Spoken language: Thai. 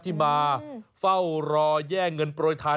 ที่มาเฝ้ารอแย่งเงินโปรยทาน